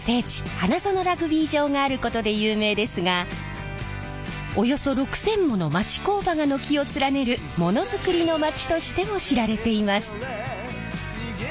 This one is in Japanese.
花園ラグビー場があることで有名ですがおよそ６，０００もの町工場が軒を連ねるモノづくりのまちとしても知られています。